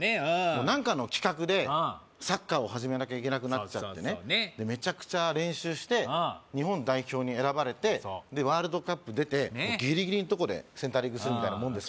何かの企画でサッカーを始めなきゃいけなくなっちゃってねメチャクチャ練習して日本代表に選ばれてでワールドカップ出てギリギリのとこでセンタリングするみたいなもんですよ